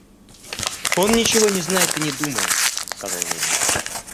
Он ничего не знает и не думает, — сказал Левин.